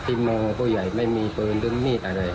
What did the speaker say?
ขอโทษกับผู้ใหญ่ที่ไม่มีปืนหรือมีดอะไร